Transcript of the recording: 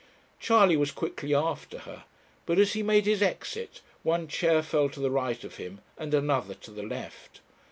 Charley was quickly after her; but as he made his exit, one chair fell to the right of him, and another to the left.